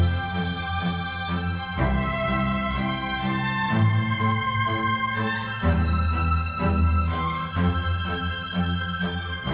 โปรดติดตามตอนต่อไป